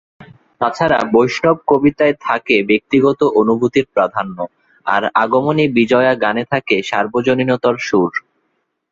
তাছাড়া বৈষ্ণব কবিতায় থাকে ব্যক্তিগত অনুভূতির প্রাধান্য, আর আগমনী-বিজয়া গানে থাকে সর্বজনীনতার সুর।